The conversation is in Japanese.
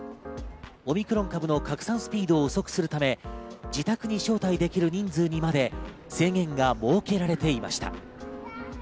オミクロン株の拡散スピードを遅くするため、自宅に招待できる人数にまで制限が設けられていました。